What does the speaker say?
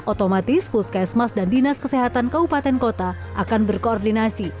otomatis puskesmas dan dinas kesehatan kabupaten kota akan berkoordinasi